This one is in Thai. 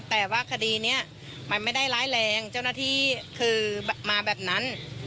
แต่ว่าคดีนี้มันไม่ได้ร้ายแรงเจ้าหน้าที่คือมาแบบนั้น